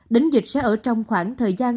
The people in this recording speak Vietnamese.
đỉnh dịch sẽ ở trong khoảng thời gian